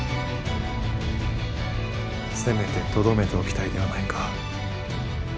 せめてとどめておきたいではないか。